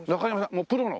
もうプロの？